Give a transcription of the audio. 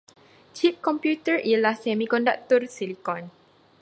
Cip komputer ialah semikonduktor silicon.